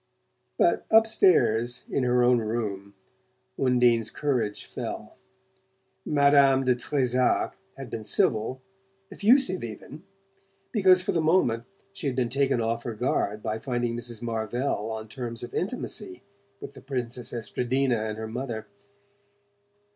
But upstairs, in her own room. Undine's courage fell. Madame de Trezac had been civil, effusive even, because for the moment she had been taken off her guard by finding Mrs. Marvell on terms of intimacy with the Princess Estradina and her mother.